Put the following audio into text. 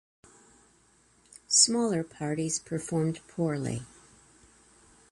Smaller parties performed poorly.